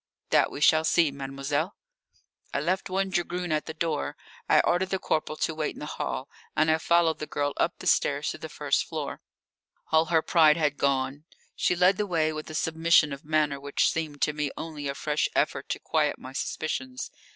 "That we shall see, mademoiselle." I left one dragoon at the door. I ordered the corporal to wait in the hall, and I followed the girl up the stairs to the first floor. All her pride had gone; she led the way with a submission of manner which seemed to me only a fresh effort to quiet my suspicions.